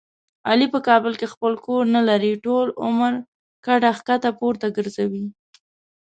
علي په کابل کې خپل کور نه لري. ټول عمر کډه ښکته پورته ګرځوي.